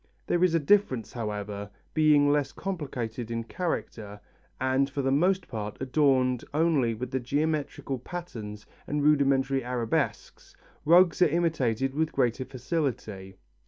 There is this difference, however: being less complicated in character and for the most part adorned only with geometrical patterns and rudimentary arabesques, rugs are imitated with greater facility.